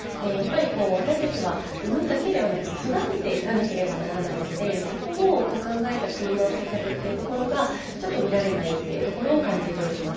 私たちは生むだけではなく、育てていかなければならないのでそこを考えた国の政策がちょっと見られないというところを感じております。